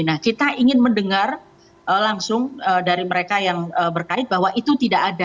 nah kita ingin mendengar langsung dari mereka yang berkait bahwa itu tidak ada